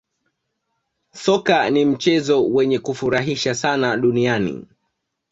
Soka ni mchezo wenye kufurahisha sana dunia